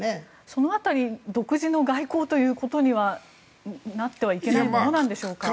その辺り独自の外交ということになってはいけないんでしょうか。